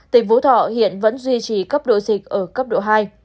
tỉnh phú thọ hiện vẫn duy trì cấp độ dịch ở cấp độ hai